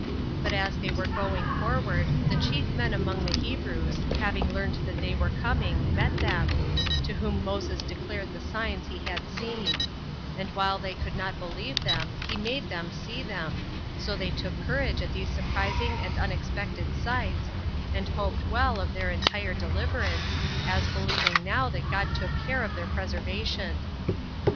But as they were going forward, the chief men among the Hebrews, having learned that they were coming, met them: to whom Moses declared the signs he had seen; and while they could not believe them, he made them see them, So they took courage at these surprising and unexpected sights, and hoped well of their entire deliverance, as believing now that God took care of their preservation.